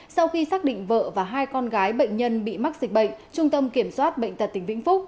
sau khi xác định vợ và hai con gái bệnh nhân bị mắc dịch bệnh trung tâm kiểm soát bệnh tật tỉnh vĩnh phúc